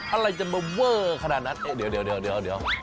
อะไรจะเมอร์เวอร์ขนาดนั้นเดี๋ยวเดี๋ยวเดี๋ยวเดี๋ยวเดี๋ยว